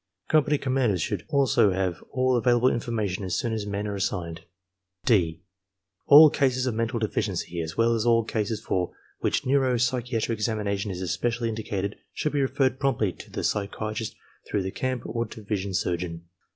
Company commanders should also have all available information as soon as men are assigned. (d) All cases of mental deficiency, as well as all cases for which neuro psychiatric examination is especially indicated, should be referred promptly to the psychiatrist through the camp or division surgeon.